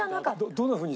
どんなふうに？